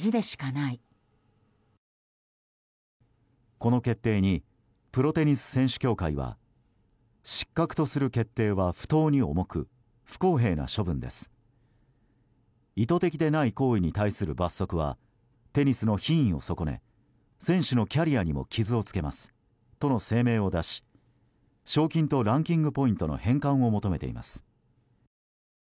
この決定にプロテニス選手協会は失格とする決定は不当に重く不公平な処分です意図的でない行為に対する罰則はテニスの品位を損ね選手のキャリアにも傷をつけますとの声明を出し賞金とランキングポイントの返還を求めています。